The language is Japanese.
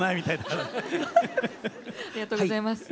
ありがとうございます。